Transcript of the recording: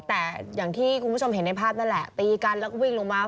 แต่อย่างที่คุณผู้ชมเห็นในภาพนั่นแหละตีกันแล้วก็วิ่งลงมา